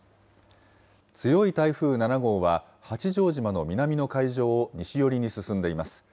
強い台風７号は、八丈島の南の海上を西寄りに進んでいます。